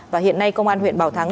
và hiện nay công an huyện bảo thắng